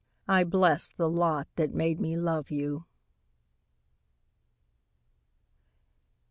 I bless the lot that made me love you.